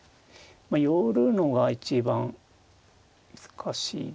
まあ寄るのが一番難しいですかね。